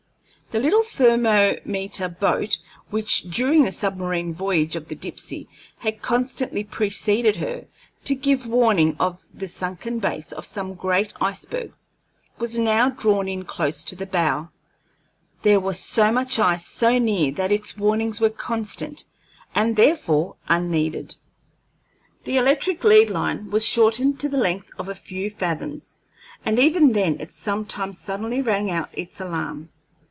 The little thermometer boat which during the submarine voyage of the Dipsey had constantly preceded her to give warning of the sunken base of some great iceberg, was now drawn in close to the bow; there was so much ice so near that its warnings were constant, and therefore unneeded. The electric lead line was shortened to the length of a few fathoms, and even then it sometimes suddenly rang out its alarm.